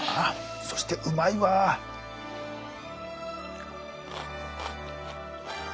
そしてうまいわあ。